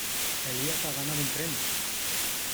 ¡Elías ha ganado un premio!